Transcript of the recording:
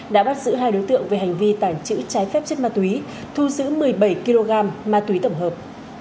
đã bắt giữ hai đối tượng về hành vi tàng trữ trái phép chất ma túy thu giữ một mươi bảy kg ma túy tổng hợp